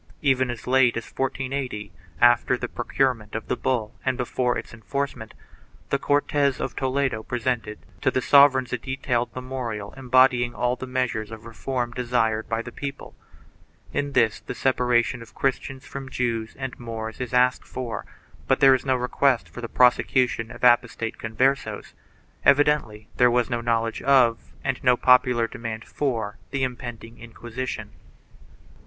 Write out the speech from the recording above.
4 Even as late as 1480, after the pro curement of the bull and before its enforcement, the Cortes of Toledo presented to the sovereigns a detailed memorial embody ing all the measures of reform desired by the people. In this the separation of Christians from Jews and Moors is asked for, but there is no request for the prosecution of apostate Converses.5 Evidently there was no knowledge of and no popular demand for the impending Inquisition.